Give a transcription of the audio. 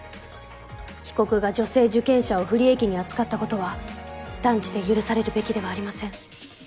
被告が女性受験者を不利益に扱ったことは断じて許されるべきではありません。